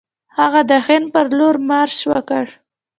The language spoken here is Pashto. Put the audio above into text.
هغه د هند پر لور مارش وکړ.